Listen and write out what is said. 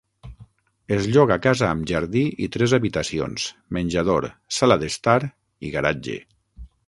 Es lloga casa amb jardí i tres habitacions, menjador, sala d'estar i garatge.